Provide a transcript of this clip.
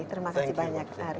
terima kasih banyak ari